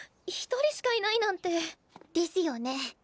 一人しかいないなんて。ですよね。